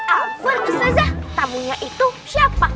alfon ustadzah tamunya itu siapa